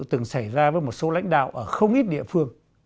từng xảy ra với một số lãnh đạo ở không ít địa phương